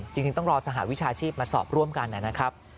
จริงต้องรอสหวิชาชีพมาสอบร่วมกันนะครับ